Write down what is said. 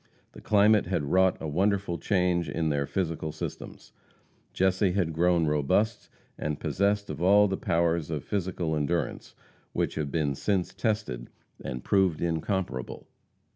The climate had wrought a wonderful change in their physical systems. Jesse had grown robust, and possessed all the powers of physical endurance which have been since tested and proved incomparable.